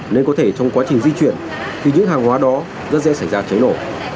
nên có thể trong quá trình di chuyển thì những hàng hóa đó rất dễ xảy ra cháy nổ